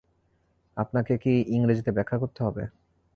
আপনাকে কী ইংরেজিতে ব্যাখ্যা করতে হবে?